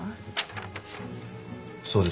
そうですか。